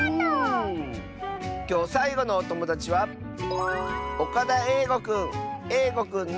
きょうさいごのおともだちはえいごくんの。